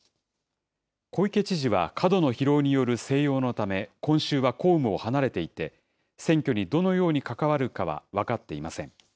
小池知事は過度の疲労による静養のため今週は公務を離れていて、選挙にどのように関わるかは分かっていません。